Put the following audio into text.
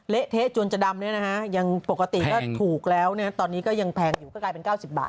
เละเทะจนจะดำเนี่ยนะฮะยังปกติถ้าถูกแล้วตอนนี้ก็ยังแพงอยู่ก็กลายเป็น๙๐บาท